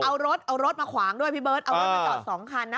เอารถมาขวางด้วยพี่เบิ๊ดเอารถมาจอดสองคันนะ